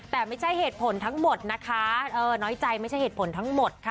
แต่ไม่ใช่เหตุผลทั้งหมดนะคะน้อยใจไม่ใช่เหตุผลทั้งหมดค่ะ